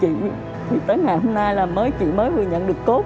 thì tới ngày hôm nay là chị mới vừa nhận được cốt